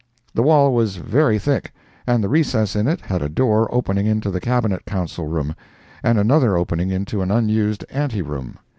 The wall was very thick, and the recess in it had a door opening into the Cabinet Council room, and another opening into an unused ante room.